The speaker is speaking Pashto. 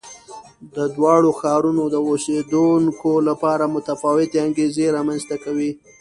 د دواړو ښارونو د اوسېدونکو لپاره متفاوتې انګېزې رامنځته کوي.